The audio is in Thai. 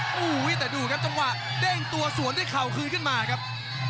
โอ้โหแต่ดูครับจังหวะเด้งตัวสวนด้วยเข่าคืนขึ้นมาครับ